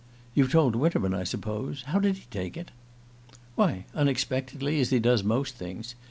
"You've told Winterman, I suppose? How did he take it?" "Why, unexpectedly, as he does most things.